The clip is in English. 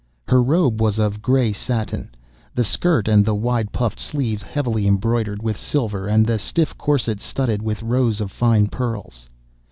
Her robe was of grey satin, the skirt and the wide puffed sleeves heavily embroidered with silver, and the stiff corset studded with rows of fine pearls.